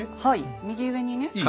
はい右上にね。